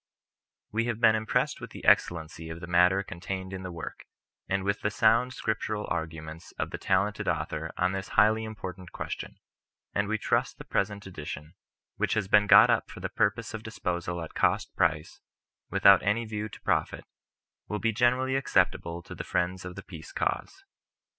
We have been impressed with the excellency of the matter contained in the Work, and with the sound scriptural arguments of the talented Author on this highly important question; and we trust the present edition, which has been got up for the purpose of dis posal at cost price, without any view to profit, will be generally acceptable to the friends of the Peace Cause.